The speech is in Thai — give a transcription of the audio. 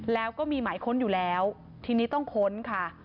แล้วก็มีหมายค้นอยู่แล้วทีนี้ต้องค้นค่ะ